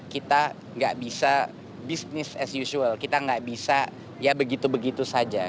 kita nggak bisa business as usual kita nggak bisa ya begitu begitu saja